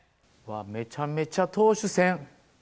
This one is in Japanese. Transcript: めちゃめちゃ投手戦。